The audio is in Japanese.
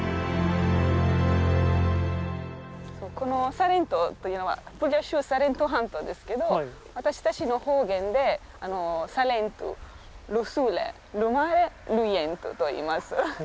このサレントというのはプーリア州サレント半島ですけど私たちの方言でサレントルスーレルマーレルイエントといいます。